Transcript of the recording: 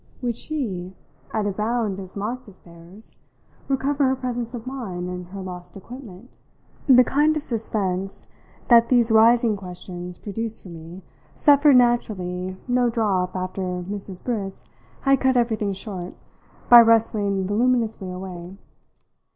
Would she, at a bound as marked as theirs, recover her presence of mind and her lost equipment? The kind of suspense that these rising questions produced for me suffered naturally no drop after Mrs. Briss had cut everything short by rustling voluminously away.